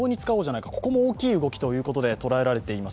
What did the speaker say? ここも大きい動きということで捉えられています。